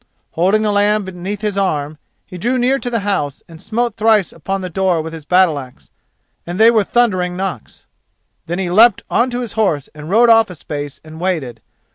Holding the lamb beneath his arm, he drew near to the house and smote thrice on the door with his battle axe, and they were thundering knocks. Then he leapt on to his horse and rode off a space and waited.